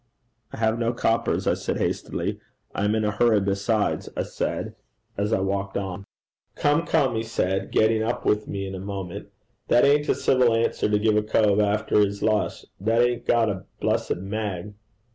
'I have no coppers,' I said hastily. 'I am in a hurry besides,' I added as I walked on. 'Come, come!' he said, getting up with me in a moment, 'that ain't a civil answer to give a cove after his lush, that 'ain't got a blessed mag.'